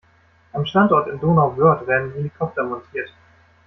Am Standort in Donauwörth werden Helikopter montiert.